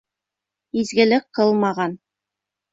Изгелек ҡылмаған